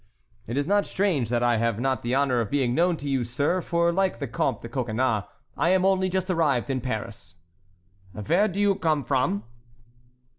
"It is not strange that I have not the honor of being known to you, sir, for like the Comte de Coconnas I am only just arrived in Paris." "Where do you gome from?"